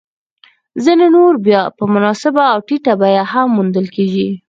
ځیني نور بیا په مناسبه او ټیټه بیه هم موندل کېږي